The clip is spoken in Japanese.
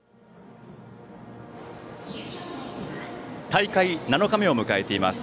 大会７日目を迎えています。